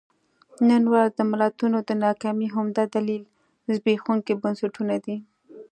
نن ورځ د ملتونو د ناکامۍ عمده دلیل زبېښونکي بنسټونه دي.